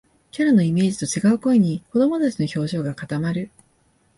キャラのイメージと違う声に、子どもたちの表情が固まる